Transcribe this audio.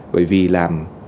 bởi vì là